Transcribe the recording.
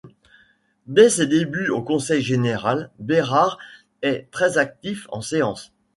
Dès ses débuts au Conseil général, Bérard est très actif en séance.